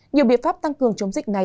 nhiều biện pháp tăng cường chống dịch này